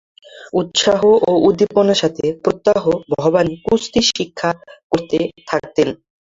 উৎসাহ ও উদ্দীপনার সাথে প্রত্যহ ভবানী কুস্তি শিক্ষা করতে থাকেন।